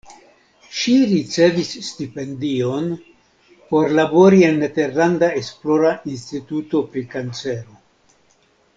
Ŝi ricevis stipendion por labori en nederlanda esplora instituto pri kancero.